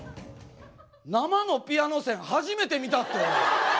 生のピアノ線初めて見たって。